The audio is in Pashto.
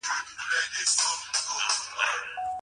که نجونې دیني عالمانې وي نو لارښوونې به غلطې نه وي.